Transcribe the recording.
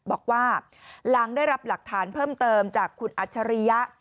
บอกว่าหลังได้รับหลักฐานเพิ่มเติมจากคุณอัจฉริยะ